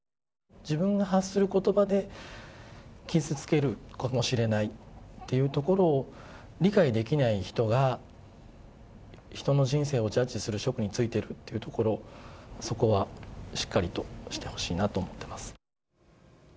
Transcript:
自分が発することばで、傷つけるかもしれないっていうところを、理解できない人が、人の人生をジャッジする職に就いているというところ、そこはしっかりとしてほしいなと思っています。